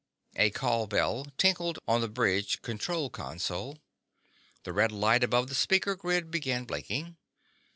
A call bell tinkled on the bridge control console. The red light above the speaker grid began blinking.